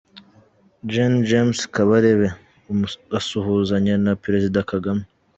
Gen James Kabarebe asuhuzanya na Perezida Kagame.